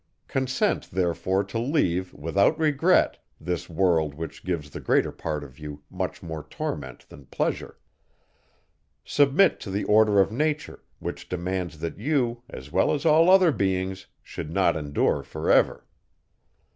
Consent therefore to leave, without regret, this world which gives the greater part of you much more torment than pleasure. Submit to the order of nature, which demands that you, as well as all other beings, should not endure for ever.